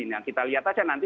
nah kita lihat aja nanti